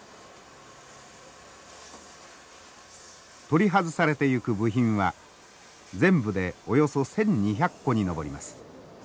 取り外されていく部品は全部でおよそ１，２００個に上ります。